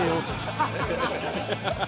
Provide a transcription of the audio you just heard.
ハハハハ！